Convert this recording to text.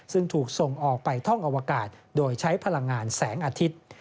ซึ่งถูกส่งออกไปท่องอวกาศโดยใช้พลังงานแสงอาทิตย์